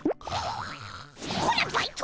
こらバイト！